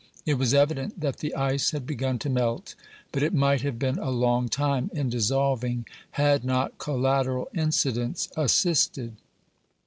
It was evident that the ice had begun to melt, but it might have been a long time in dissolving, had not collateral incidents assisted.